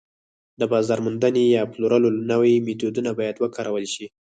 د بازار موندنې یا پلورلو نوي میتودونه باید وکارول شي